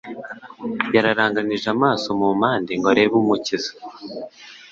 yararanganije amaso mu mpande ngo arebe Umukiza,